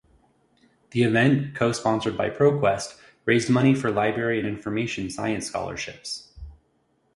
The event, co-sponsored by ProQuest, raised money for library and information science scholarships.